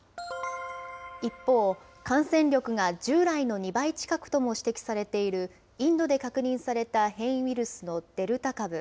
一方、感染力が従来の２倍近くとも指摘されている、インドで確認された変異ウイルスのデルタ株。